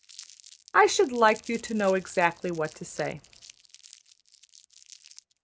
I should like you to know exactly what to say.